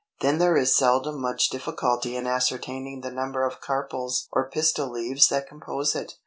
Then there is seldom much difficulty in ascertaining the number of carpels or pistil leaves that compose it.